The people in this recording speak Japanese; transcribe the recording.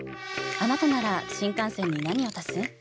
あなたなら新幹線に何を足す？